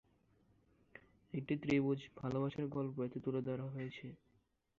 একটি ত্রিভুজ ভালোবাসার গল্প এতে তুলে ধরা হয়েছে।